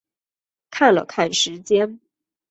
看了看时间